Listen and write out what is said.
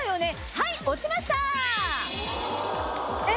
はい落ちました！